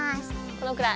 このくらい？